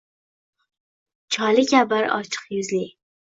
Choli kabi ochiq yuzli